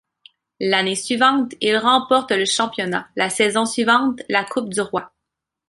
L'année suivante, il remporte le Championnat, la saison suivante la Coupe du Roi.